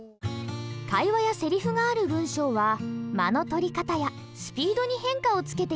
会話やセリフがある文章は間の取り方やスピードに変化をつけて読むと効果的です。